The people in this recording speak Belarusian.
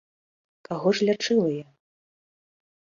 Каго ж лячыла я?